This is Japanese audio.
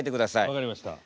分かりました。